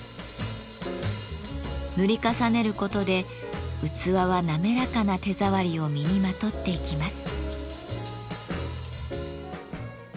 塗り重ねることで器は滑らかな手触りを身にまとっていきます。